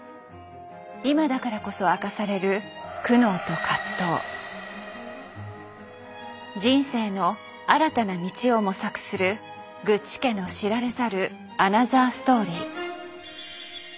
今だからこそ明かされる人生の新たな道を模索するグッチ家の知られざるアナザーストーリー。